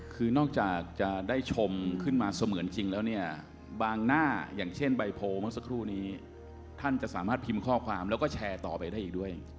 คือนอกจากจะได้ชมขึ้นมาเสมือนจริงแล้วเนี่ยบางหน้าอย่างเช่นใบโพลเมื่อสักครู่นี้ท่านจะสามารถพิมพ์ข้อความแล้วก็แชร์ต่อไปได้อีกด้วย